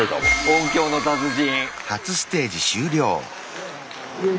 「音響の達人」。